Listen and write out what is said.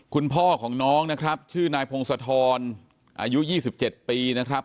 คุณพ่อของน้องนะครับชื่อนายพงศธรอายุ๒๗ปีนะครับ